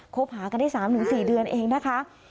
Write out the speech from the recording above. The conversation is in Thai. คบหากันได้๓๔เดือนเองนะคะ